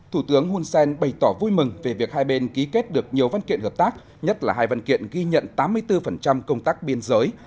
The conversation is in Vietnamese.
thủ tướng hun sen bày tỏ vui mừng về việc hai bên ký kết được nhiều văn kiện hợp tác nhất là hai văn kiện ghi nhận tám mươi bốn công tác biên giới